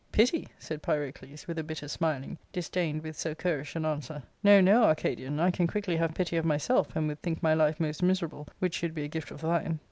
" Pity !" said Pyrocles, with a bitter smiling, disdained with so currish an answer ;'* no, no, Arca» dian, I can quickly have pity of myself, and would think my life most miserable which should be a gift of thine.